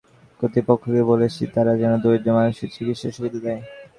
আমরা হাসপাতালের ব্যবস্থাপনা কর্তৃপক্ষকে বলেছি, তারা যেন দরিদ্র মানুষকে চিকিৎসা-সুবিধা দেয়।